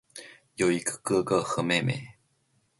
有一个哥哥和妹妹。